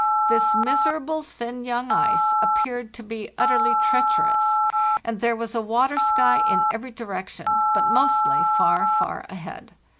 This miserable thin young ice appeared to be utterly treacherous, and there was a water sky in every direction, but mostly far, far ahead.